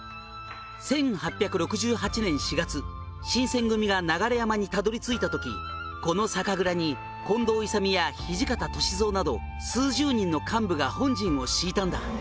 「１８６８年４月新選組が流山にたどり着いた時この酒蔵に近藤勇や土方歳三など数十人の幹部が本陣を敷いたんだ」